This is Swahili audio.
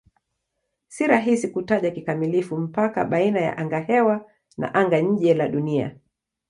Si rahisi kutaja kikamilifu mpaka baina ya angahewa na anga-nje la Dunia.